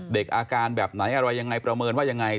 เด็กอาการแบบไหนอะไรยังไงประเมินว่ายังไง